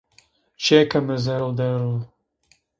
Çiyê ke mı zerri dero...